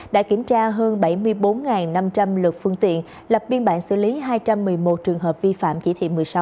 đã kiểm tra hơn bảy mươi bốn năm trăm linh lượt phương tiện lập biên bản xử lý hai trăm một mươi một trường hợp vi phạm chỉ thị một mươi sáu